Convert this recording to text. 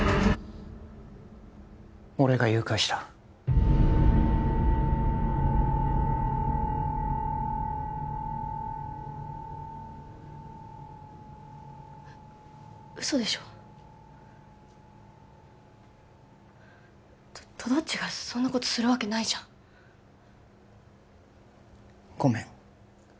俺が誘拐した嘘でしょととどっちがそんなことするわけないじゃんごめん